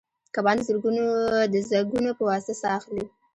کبان د زګونو په واسطه ساه اخلي